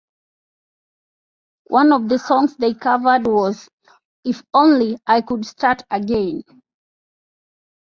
One of the songs they covered was "If Only I Could Start Again".